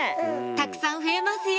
たくさん増えますよ！